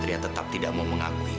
saya akan menuntut semua orang maksum saya